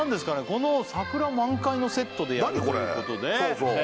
この桜満開のセットでやるということで何これ？